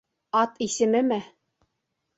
Ат исемеме?